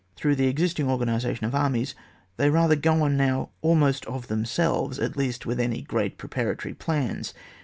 Through the existing organisation of armies, they rather go on now almost of themselves, at least without any great pre paratory plans.